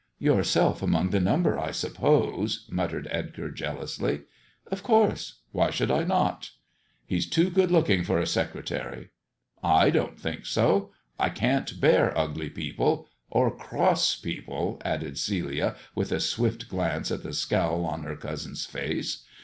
"Yourself among the number, I suppose," muttered Edgar jealously. " Of course ! Why should I not 1 "" He's too good looking for a secretary." " I don't think so. I can't bear ugly people — or cross people," added Celia, with a swift glance at the scowl on her cousin's face.